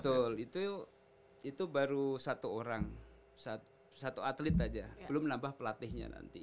betul itu baru satu orang satu atlet saja belum nambah pelatihnya nanti